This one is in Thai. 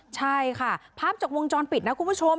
ใช่ค่ะภาพจากวงจรปิดนะคุณผู้ชม